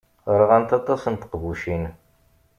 Ṛɣant aṭas n teqbucin.